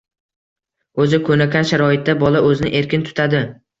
– o‘zi ko‘nikkan sharoitda bola o‘zini erkin tutadi.